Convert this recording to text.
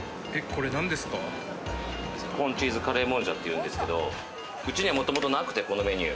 チーズカレーもんじゃって言うんですけれども、うちに、もともとなくてこのメニュー。